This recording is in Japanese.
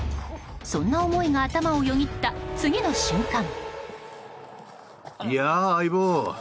そんな思いが頭をよぎった次の瞬間。